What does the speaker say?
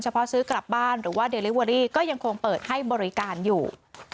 เพราะซื้อกลับบ้านหรือว่าเดลิเวอรี่ก็ยังคงเปิดให้บริการอยู่